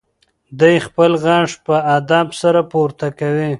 دی خپل غږ په ادب سره پورته کوي.